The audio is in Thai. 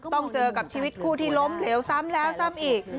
ต้องเจอกับชีวิตคู่ที่ล้มเหลวซ้ำแล้วซ้ำอีก